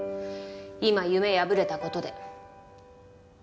今夢破れた事で。